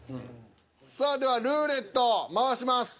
さあではルーレット回します。